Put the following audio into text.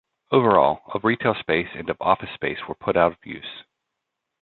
Overall, of retail space and of office space were put out of use.